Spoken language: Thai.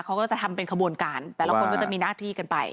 เขาก็จะทำเป็นขบวนการแต่ละคนก็จะมีหน้าที่กันไป